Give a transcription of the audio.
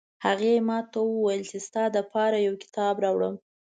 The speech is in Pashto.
هغې ماته وویل چې د تا د پاره یو کتاب راوړم